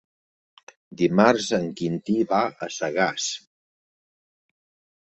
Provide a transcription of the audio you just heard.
Dimarts en Quintí va a Sagàs.